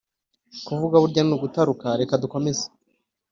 kuvuga burya ni ugutaruka reka dukomeze.